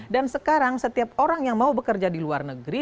dan sekarang setiap orang yang mau bekerja di luar negeri